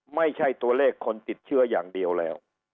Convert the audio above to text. ไม่ใช่ตัวเลขคนติดเชื้ออย่างเดียวแล้ว